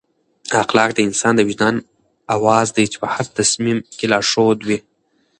اخلاق د انسان د وجدان اواز دی چې په هر تصمیم کې لارښود وي.